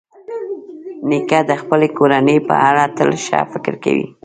نیکه د خپلې کورنۍ په اړه تل ښه فکر کوي.